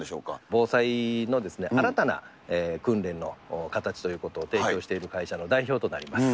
防災の新たな訓練の形ということで提供している会社の代表となります。